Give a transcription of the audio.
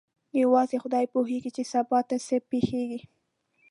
یوازې خدای پوهېږي چې سبا ته څه پېښیږي.